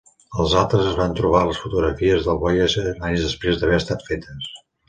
Els altres es van trobar a les fotografies de Voyager anys després d'haver estat fetes.